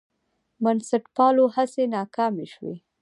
بنسټپالو هڅې ناکامې شوې.